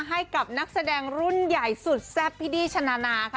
ให้กับนักแสดงรุ่นใหญ่สุดแซ่บพี่ดี้ชนานาค่ะ